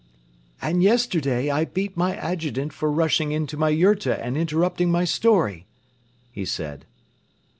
"And yesterday I beat my adjutant for rushing into my yurta and interrupting my story," he said.